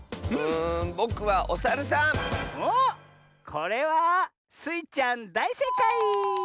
これはスイちゃんだいせいかい！